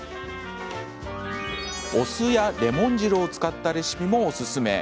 お酢やレモン汁を使ったレシピもおすすめ。